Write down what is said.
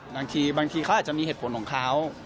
บางทีเขาอาจจะมีเหตุผลของเขา